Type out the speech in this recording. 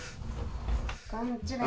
こんにちは。